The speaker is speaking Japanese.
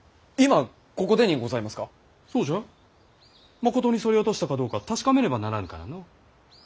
まことにそり落としたかどうか確かめねばならぬからのう。